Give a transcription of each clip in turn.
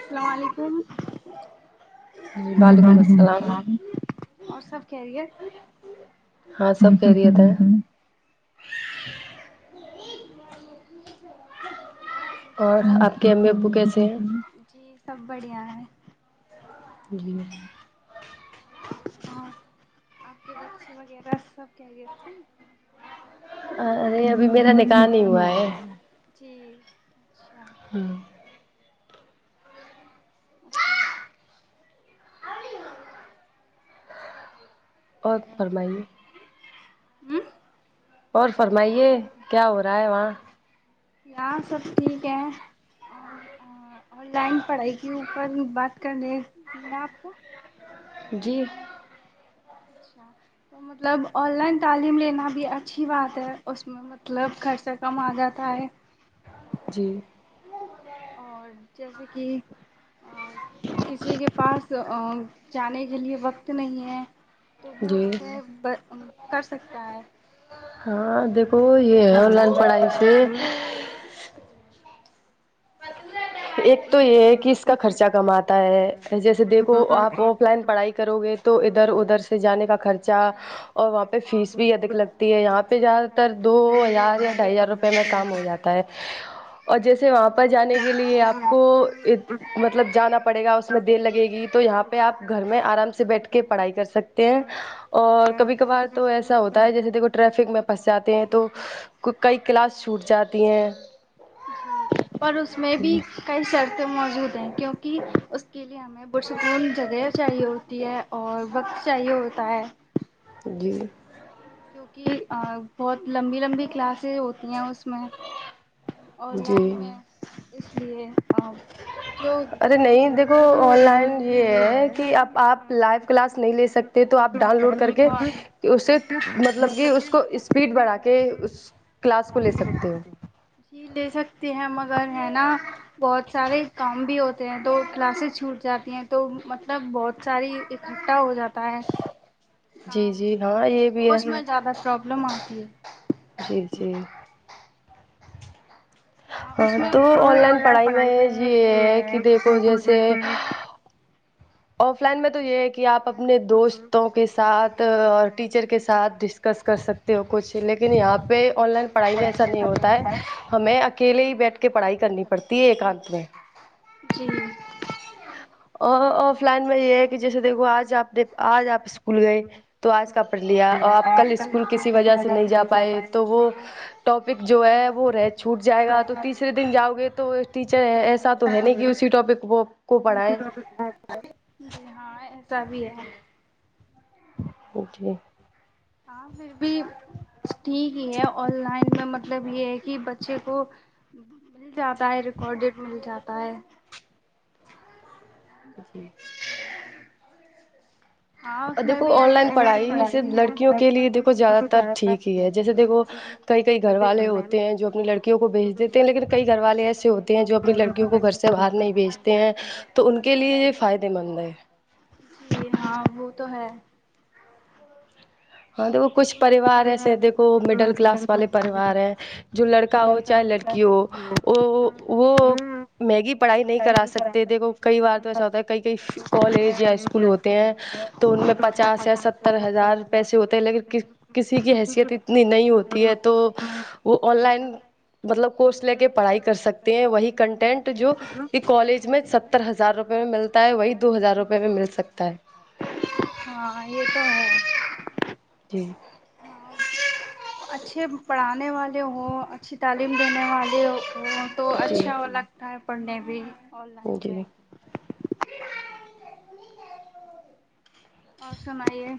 السلام علیکم وعلیکم السلام اور سب کہریت ہاں سب کیرییت ہے اور آپکے عمی اببو کیسے ہے جی سب بڑھیا ہے جی ہاں آپ کے بچے وغیرہ سب خیریاتھ سے ا ارے ابھی میرا نکاح نہیں ہوا ہے جی اچھا اچھا اور فرمائیے ہم اور فرمائیے کیا ہو رہا ہے وہاں یہاں سب ٹھیک ہے اور آن لائن پڑھائی کے اوپر بات کرنے تھی نہ آپ کو جی اچھا مطلب آن لائن تعلیم لینا بھی اچھی بات ہے اس میں مطلب خرچہ کم آ جاتا ہے جی اور جیسے کی ا کسی کے پاس ا جانے کے لیے وقت نہیں ہے تو وہ اس سے ب کر سکتا ہے [unintelligible] ایک تو یہ ہے کہ اس کا خرچہ کم آتا ہے جیسے دیکھو آپ آف لائن پڑھائی کرو گے تو ادھر ادھر سے جانے کا خرچہ اور وہاں پہ فیس بھی ادھک لگتی ہے یہاں پہ زیادہ تر دو ہزار یا ڈھائی ہزار روپئے میں کام ہو جا تا ہے اور جیسے وہاں پر جانے یت مطلب جانا پڑے گا اس میں دیر لگے گی تو یہاں پہ آپ گھر میں آرام سے بیٹھ کے پڑھائی کر سکتے ہیں اور کبھی کبار تو ایسا ہوتا ہے جیسے دیکھو ٹریفک میں پھنس جاتے ہیں تو کو کئی کلاس چھوٹ جاتی ہے ٹھیک پر اس میں بھی کئی شرطیں موجود ہیں کیونکہ اس کے لیے آپ ہمیں پرسکون جگہ چاہیے ہوتی ہے اور وقت چاہیے ہوتا ہے جی کیوںکی ا بہت لمبی لمبی کلاسیں ہوتی ہیں اس میں آن لائن میں اس لیے ہاں ارے نہیں دیکھو آن لائن یہ ہے کہ اب آپ لائو کلاس نہیں لے سکتے تو آپ ڈاؤن لوڈ کر کے اسے مطلب یہ اس کو اسپیڈ بڑھا کے اس کلاس کو لے سکتے ہو لے سکتے ہیں مگر ہے نا بہت سارے کام بھی ہوتے ہیں تو کلاسز چھوٹ جاتی ہیں تو مطلب بہت ساری گٹھا ہو جاتا ہے ہاں وہ اس میں زیادہ پرابلم آتی ہے جی جی ہاں تو آن لائن پڑھائی میں یہ ہے کہ دیکھو جیسے آف لائن میں تو یہ ہے کہ آپ اپنے دوستوں کے ساتھ اور ٹیچر کے ساتھ ڈس ڈسکس کر سکتے ہو کچھ لیکن یہاں پہ آن لائن پڑھائی میں ایسا نہیں ہوتا ہے ہمیں اکیلے ہی بیٹھ کے پڑھائی کرنی پڑتی ہے ایکانت میں جی ا آف لائن میں یہ ہے کہ جیسے دیکھو آج آپ نے آج آپ اسکول گئے تو آج کا پڑھ لیا اور آپ کل اسکول کسی وجہ سے نہیں جا پائے تو وہ ٹاپک جو ہے وہ رہ چھوٹ جائے گا تو تیسرے دن جاؤ گے تو ٹیچر ایسا تو ہے نہیں کہ اسی ٹپک وہ کو پڑھائے جی ہاں ایسا بھی ہے اوکے ہاں پھر بھی ٹھیک ہی ہے آن لائن میں مطلب یہ ہے کہ بچے کو مل جاتا ہے ریکارڈیڈ مل جاتا ہے جی اور دیکھو آن لائن پڑھائی صرف لڑکیوں کے لیے دیکھو زیادہ تر ٹھیک ہی ہے جیسے دیکھو کئی کئی گھر والے ہوتے ہیں جو اپنی کئی کئی کئی گھر والے ہوتے ہیں جو اپنی لڑکیوں کو بھیج دیتے ہیں لیکن کئی گھر والے ایسے ہوتے ہیں جو اپنی لڑکیوں کو گھر سے باہر نہیں بھیجتے ہیں تو ان کے لیے یہ فائدے مند ہے جی ہاں وہ تو ہے ہاں دیکھو کچھ پریوار ایسے ہے دیکھو مڈل کلاس والے پریوار ہیں جو لڑکا ہو چاہے لڑکی ہو وہ وہ مہنگی پڑھائی نہیں کرا سکتے دیکو کئی بار تو ایسا ہوتا ہے کئی کئی کالج یا اسکول ہوتے ہیں تو ان میں پچاس یا ستر ہزار پیسے ہوتے ہیں لیکن کسی کی حیثیت اتنی نہیں ہوتی ہے تو وہ آن لائن مطلب کورس لے کے پڑھائی کر سکتے ہیں وہی کنٹینٹ جو کہ کالج میں ستر ہزار روپئے میں ملتا ہے وہی دو ہزار روپئے میں مل سکتا ہے ہاں یہ تو ہے جی اچھے پڑھانے والے ہوں اچھی تعلیم دینے والے ہوں تو اچھا لگتا ہے پڑھنے بھی آن لائن میں اور سنا یۓ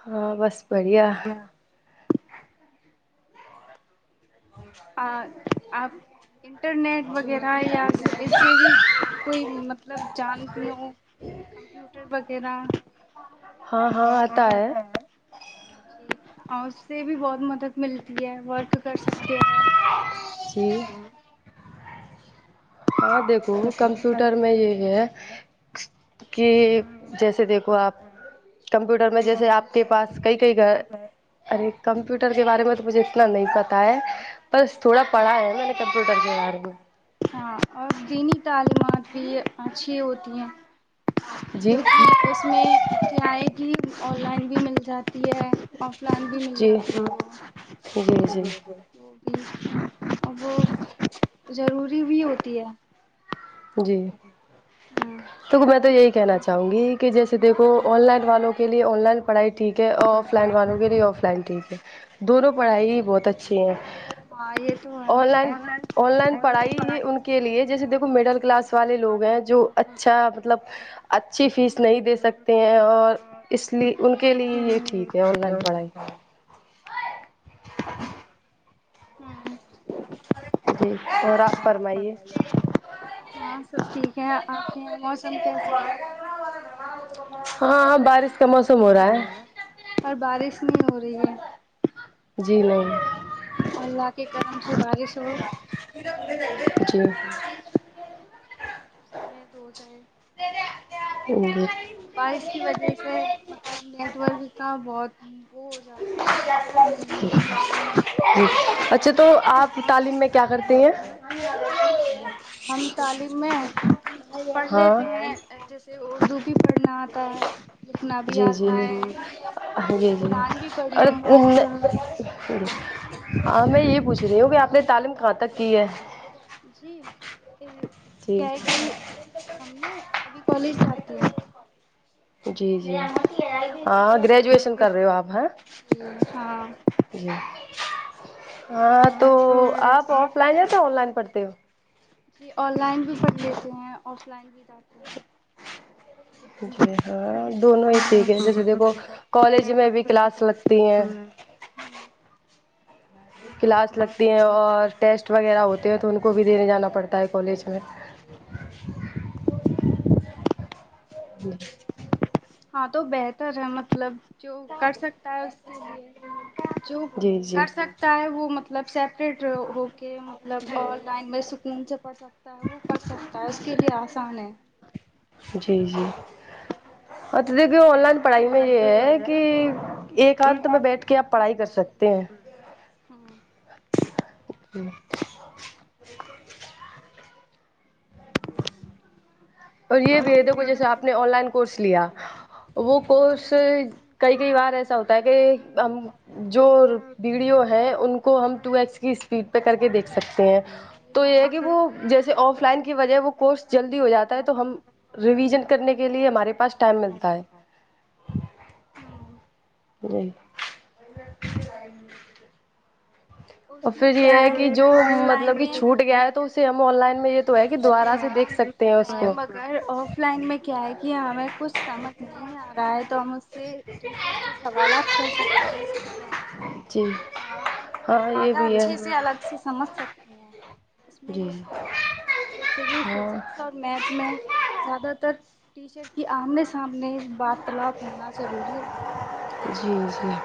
ہاں بس بڑھیا [inaudible] ا آپ انٹرنیٹ وغیرہ یا سے بھی کوئی مطلب جانتی ہوں کمپیوٹر وغیرہ ہ وہ رہتا ہے ہ اس سے بھی بہت مدد ملتی ہے ورک کر سکتے ہیں جی [inaudible] ہاں دیکھو کمپیوٹر میں یہ ہے کہ جیسے دیکھو آپ کمپیوٹر میں جیسے آپ کے پاس کئی کئی گھر ارے کمپیوٹر کے بارے میں تو مجھے اتنا نہیں پتہ ہے بس تھوڑا پڑھاہے میں نےکمپیوٹر کے بارے میں ہاں اور دینی تعلیمات بھی اچھی ہوتی ہیں کیونکہ اس میں کرائے کی آن لائن بھی مل جاتی ہے آف لائن بھی مل جاتی ہے ہوگی اب وہ ضروری بھی ہوتی ہے جی ہوں تو میں تو یہی کہنا چاہوں گی کہ جیسے دیکو آن لائن والوں کے لیے آن لائن پڑھائی ٹھیک ہے آف لائن والوں کی لی آف لائن ٹھیک ہے دونوں پڑھائی ہی بہت اچھی ہیں ہاں یہ تو ہے آن لائن آن لائن پڑھائی یہ ان کے لیے جیسے دیکھو مڈل کلاس والے لوگ ہیں جو اچھا مطلب اچھی فیس نہیں دے سکتے ہیں اور اس لیے ان کے لیے یہ ٹھیک ہے آن لائن پڑھائی جی اور آپ فرمائیے [inaudible] ہاں ہاں بارش کا موسم ہو رہا ہے اور بارش نہیں ہو رہی ہے اللہ کے کرم سے بارش ہو جی [unintelligible] [unintelligible] بارش کی وجہ سے مطلب نیٹ ورک کا بہت وہ ہو جات [unintelligible] اچھا تو آپ تعلیم میں کیا کرتے ہیں میں ہم تعلیم میں پڑھ لیتے ہیں پھر اردو بھی پڑھنا آتا ہے لکھنا بھی آتا ہے جی جی اور [unintelligible] ہاں میں یہ پوچھ رہی ہوں کہ آپ نے تعلیم کہاں تک کی ہے جی کیا ہے کہ ہم نے ابھی کالج جاتی ہو جی جی ہاں گریجویشن کر رہے ہو آپ ہیں جی ہاں تو آپ آف لائن تو آن لائن پڑھتے ہو جی آن لائن بھی پڑھ لیتے ہیں آف لائن بھی جاتے جی ہاں دونوں ہی ٹھیک ہے جیسے دیکھو کالج میں بھی کلاس لگ تی ہیں کلاس لگتی ہیں اور ٹیسٹ وغیرہ ہوتے ہیں تو ان کو بھی دینے جانا پڑتا ہے کالج میں جی جی ہاں تو بہتر ہے مطلب جو کر سکتا ہے اس کے لیے جو کر سکتا ہے وہ مطلب سیپریٹ ہو کے مطلب آن لائن میں سکون سے پڑھ سکتا ہے وہ پڑھ سکتا ہے کے لیے آسان ہے جی جی اچھا دیکھیے آن لائن پڑھائی میں یہ ہے کہ ایک انانت میں بیٹھ کے آپ پڑھائی کر سک تے ہیں ہوں جی اور یہ بھی ہے دیکھو جیسے آپ نے آن لائن کورس لیا وہ کورس کئی کئی بار ایسا ہوتا ہے کہ ہم جو ویڈیو ہے ان کو ہم ٹو ایکس کی اسپیڈ پہ کر کے دیکھ سکتے ہیں تو یہ ہے کہ وہ جیسے آف لائن کی وجہ وہ کورس جلدی ہو جاتا ہے تو ہم ریویژن کرنے کے لیے ہمارے پاس ٹائم ملتا ہے ہوں جی اور پھر یہ ہے کہ جو مطلب کہ چھوٹ گیا ہے تو اسے ہم آن لائن میں یہ تو ہے کہ دوبارہ سے دیکھ سک تے اس کو اگر آف لائن میں کیا ہے کہ ہمیں کچھ سمجھ نہیں آ رہا ہے تو ہم اس سے ٹیس ار سے سوالات کر سکتے ہیں اس کے بارے میں ہاں زیادہ اچھے سے الگ سے سمجھ سک اس میں یہ فائدہ ہے جیسے کہ فزکس اور میتھ میں زیادہ تر ٹیچر کی آمنے سامنے باطلاب ہونا ضروری ہوتی ہے جی جی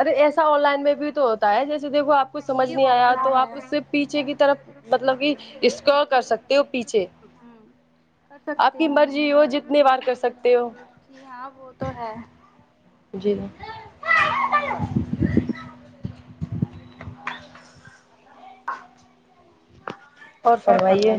ارے ایسا آن لائن میں بھی تو ہوتا ہے جیسے دیکھو آپ کو سمجھ نہیں آیا تو آپ اس سے پیچھے کی طرف مطلب کہ اسکا کر سکتے ہو پیچھے ہاں کر سکتے ہیں جی ہاں وہ تو ہے جی [unintelligible] اور فرماںے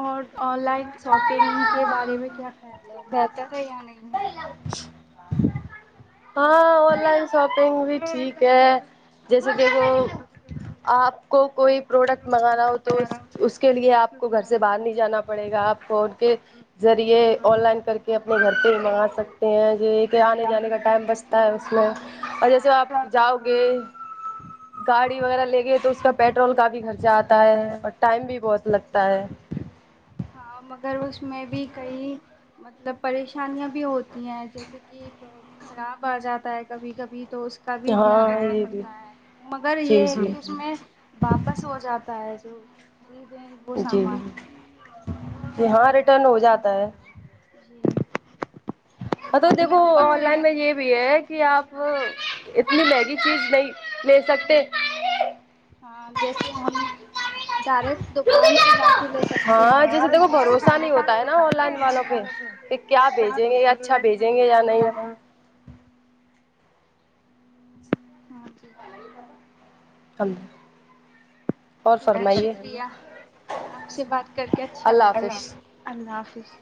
اور آن لائن شاپنگ کے بارے میں کیا خیال ہے بہتر ہے یا نہیں ا [unintelligible] آے ہاں آن لائن شاپنگ بھی ٹھیک ہے جیسے دیکھو آپ کو کوئی پروڈکٹ منگانا ہو تو اس اس کے لیے آپ کو گھر سے باہر نہیں جانا پڑے گا آپ کو ان کے ذریعے آن لائن کر کے اپنے گھر پہ بھی منگا سکتے ہیں یہ کہ آنے جانے کا ٹائم بچتا ہے اس میں اور جیسے آپ جاؤ گے گاڑی وغیرہ لے گئے تو اس کا پیٹرول کافی خرچہ آتا ہے اور ٹائم بھی بہت لگتا ہے ہاں مگر اس میں بھی کئی مطلب پریشانیاں بھی ہوتی ہیں جیسے کہ خراب آ جاتا ہے کبھی کبھی تو اس کا بھی دھیان رکھنا پڑتا ہے مگر یہ ہے کہ اس میں واپس ہو جاتا ہے جو خریدیں جی ہاں ریٹرن ہو جاتا ہے جی آ تو دیکو آن لائن میں یہ بھی ہے کہ آپ اتنی مہنگی چیز نہیں لے سکتے ہاں جیسے ہم ڈائریکٹ دکان سے جا س ہوتا ہے نا [unintelligible] اچھا بھیجیں گے یا نہیں ہاں جی [inaudible] ال ہے شکریہ آپ سے بات کر کے اچھا لگا اللہ حافظ